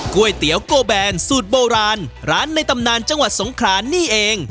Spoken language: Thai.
ก๋วยเตี๋ยวโกแบนสูตรโบราณร้านในตำนานจังหวัดสงขรานี่เอง